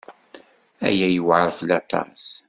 Aya yewɛeṛ fell-i aṭas.